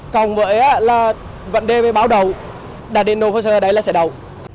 còn với vấn đề với báo đầu đạt đến nổ bơ sớ đấy là sẽ đầu